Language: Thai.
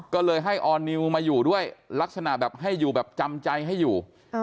ก็เลยให้ออร์นิวมาอยู่ด้วยลักษณะแบบให้อยู่แบบจำใจให้อยู่